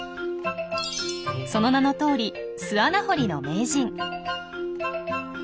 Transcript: その名のとおり巣穴掘りの名人。